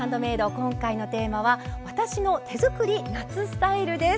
今回のテーマは「私の手作り夏スタイル」です。